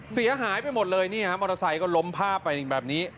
เสียหายไปหมดเลยนี่ฮะมอเตอร์ไซค์ก็ล้มผ้าไปแบบนี้